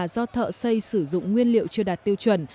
do thợ xây sử dụng nguyên liệu chưa đạt tiêu chuẩn